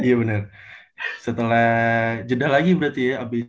iya benar setelah jeda lagi berarti ya